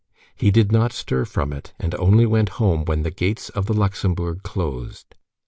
He did not stir from it, and only went home when the gates of the Luxembourg closed.